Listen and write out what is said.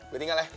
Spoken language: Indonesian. gue tinggal ya